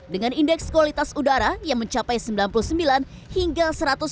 dengan indeks kualitas udara yang mencapai sembilan puluh sembilan hingga satu ratus enam puluh